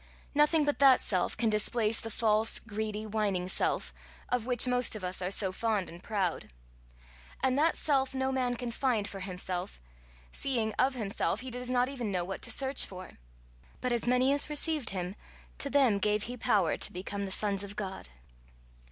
Nothing but that self can displace the false, greedy, whining self, of which, most of us are so fond and proud. And that self no man can find for himself; seeing of himself he does not even know what to search for. "But as many as received him, to them gave he power to become the sons of God."